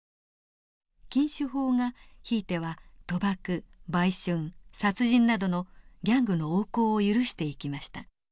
禁酒法がひいては賭博売春殺人などのギャングの横行を許していきました。